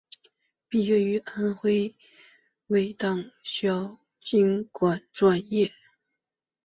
毕业于安徽省委党校经管专业。